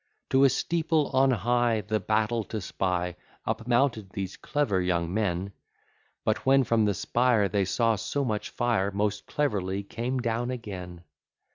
To a steeple on high, The battle to spy, Up mounted these clever young men; But when from the spire, They saw so much fire, Most cleverly came down again.